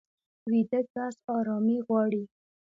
ویده کس ارامي غواړي